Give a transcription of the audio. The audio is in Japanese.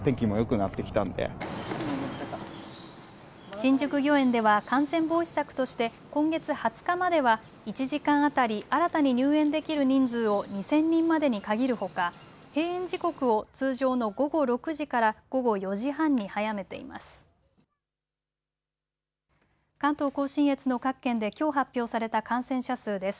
新宿御苑では感染防止策として今月２０日までは１時間当たり新たに入園できる人数を２０００人までに限るほか閉園時刻を通常の午後６時から午後４時半に早めています。